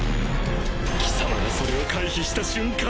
貴様がそれを回避した瞬間